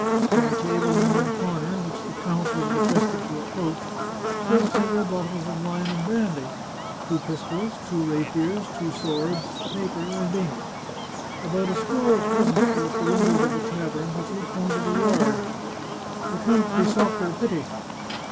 On a table in one comer, which the count was requested 249 The Chartreuse of Parma to approach, stood several bottles of wine and brandy, two pistols, two rapiers, two swords, paper, and ink. About a score of peasants were at the windows of the tavern, which looked on to the yard. The count besought their pity.